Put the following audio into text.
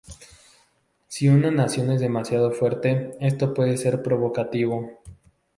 Si una nación es demasiado fuerte, esto puede ser provocativo.